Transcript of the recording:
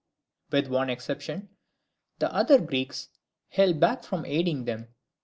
] With one exception, the other Greeks held back from aiding them.